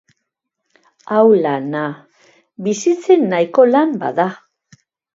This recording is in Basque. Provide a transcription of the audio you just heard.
Hau lana! Bizitzen nahiko lan bada.